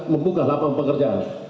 membuka lapang pekerjaan